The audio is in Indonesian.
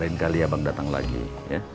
lain kali abang datang lagi ya